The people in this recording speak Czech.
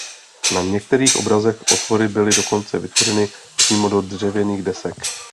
Na některých obrazech otvory byly dokonce vytvořeny přímo do dřevěných desek.